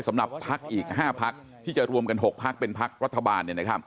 เรียกว่าแค่อีก๕พักทั้งจะรวมกัน๖พักเป็นพักรัฐบาล